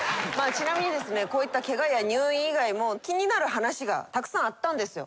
ちなみにこういったケガや入院以外も気になる話がたくさんあったんですよ。